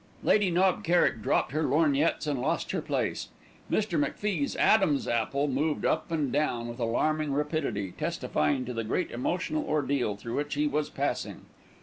Lady Knob Kerrick dropped her lorgnettes and lost her place. Mr. MacFie's "adam's apple" moved up and down with alarming rapidity, testifying to the great emotional ordeal through which he was passing.